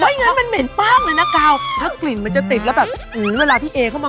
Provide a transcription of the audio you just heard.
ยังไงคะ